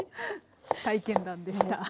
体験談でした。